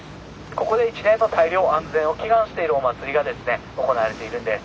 ここで１年の大漁安全を祈願しているお祭りがですね行われているんです。